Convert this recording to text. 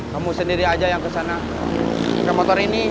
kamu sendiri aja yang kesana